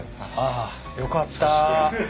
あっよかった。